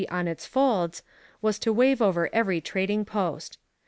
on its folds, was to wave over every trading post.